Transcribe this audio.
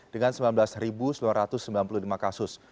dengan sembilan belas sembilan ratus sembilan puluh lima kasus